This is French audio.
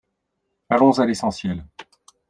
Allons à l’essentiel.